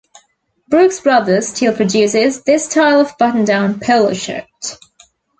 Brooks Brothers still produces this style of button-down "polo shirt".